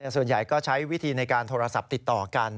ส่วนใหญ่ก็ใช้วิธีในการโทรศัพท์ติดต่อกัน